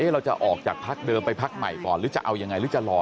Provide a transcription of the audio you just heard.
เราจะออกจากภักด์เดิมไปภักด์ใหม่ก่อน